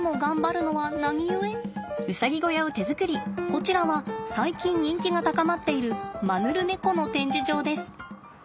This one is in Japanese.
こちらは最近人気が高まっているマヌルネコの展示場です。